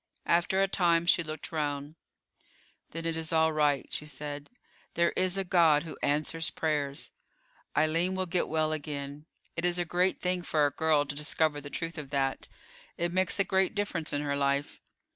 After a time she looked round. "Then it is all right," she said. "There is a God who answers prayers; Eileen will get well again. It is a great thing for a girl to discover the truth of that; it makes a great difference in her life.